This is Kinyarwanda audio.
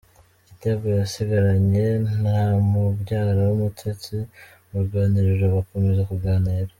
Igitego yasigaranye na mu byara w’Umutesi mu ruganiriro ,bakomeza kuganira.